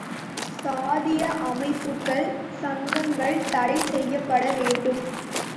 சாதீய அமைப்புகள், சங்கங்கள் தடை செய்யப்படவேண்டும்.